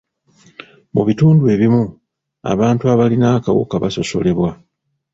Mu bitundu ebimu, abantu abalina akawuka basosolebwa.